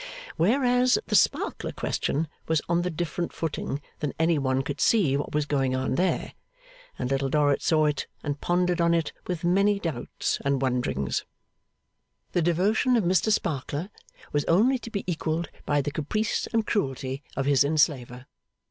Whereas, the Sparkler question was on the different footing that any one could see what was going on there, and Little Dorrit saw it and pondered on it with many doubts and wonderings. The devotion of Mr Sparkler was only to be equalled by the caprice and cruelty of his enslaver.